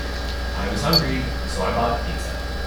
I was hungry, so I bought a pizza.